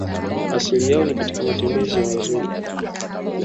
Asili yao ni katika matembezi ya Wazulu